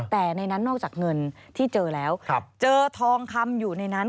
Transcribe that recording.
แต่ในนั้นนอกจากเงินที่เจอแล้วเจอทองคำอยู่ในนั้น